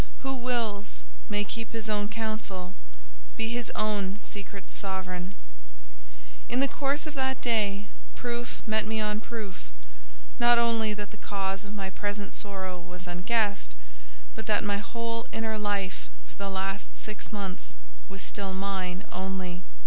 Who wills, may keep his own counsel—be his own secret's sovereign. In the course of that day, proof met me on proof, not only that the cause of my present sorrow was unguessed, but that my whole inner life for the last six months, was still mine only.